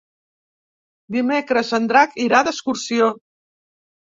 Dimecres en Drac irà d'excursió.